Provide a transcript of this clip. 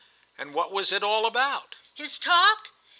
And what was it all about?" "His talk?